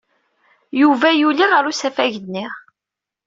Yuba yuli ɣer usafag-nni.